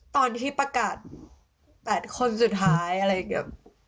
ตอนที่ประกาศ๘คนสุดท้ายอะไรอย่างนี้